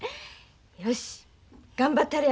よし頑張っ